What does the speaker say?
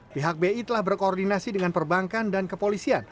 pihak bi telah berkoordinasi dengan perbankan dan kepolisian